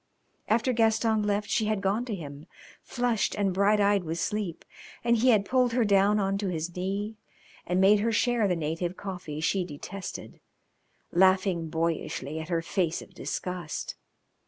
After Gaston left she had gone to him, flushed and bright eyed with sleep, and he had pulled her down on to his knee, and made her share the native coffee she detested, laughing boyishly at her face of disgust.